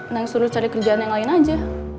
neng suruh cari kerjaan yang lain aja